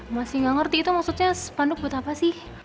masih gak ngerti itu maksudnya sepanduk buat apa sih